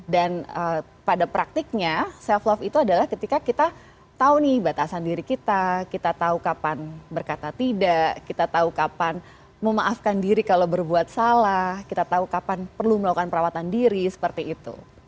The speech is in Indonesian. pada praktiknya self love itu adalah ketika kita tahu nih batasan diri kita kita tahu kapan berkata tidak kita tahu kapan memaafkan diri kalau berbuat salah kita tahu kapan perlu melakukan perawatan diri seperti itu